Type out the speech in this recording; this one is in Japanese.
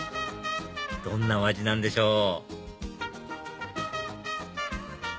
どんなお味なんでしょう？